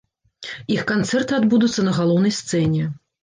Іх канцэрты адбудуцца на галоўнай сцэне.